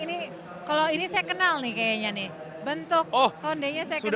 ini kalau ini saya kenal nih kayaknya nih bentuk kondenya saya kenal